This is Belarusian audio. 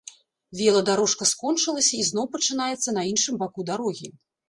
Веладарожка скончылася і зноў пачынаецца на іншым баку дарогі.